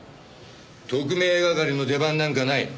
特命係の出番なんかない。